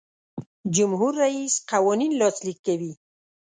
جمهور رئیس قوانین لاسلیک کوي.